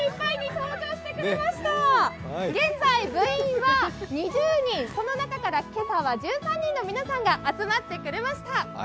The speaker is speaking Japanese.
現在部員は２０人その中から今朝は１３人の皆さんが集まってくれました。